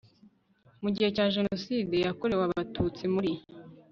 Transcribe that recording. Mu gihe cya Jenoside yakorewe Abatutsi muri